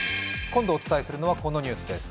今度お伝えするのは、このニュースです。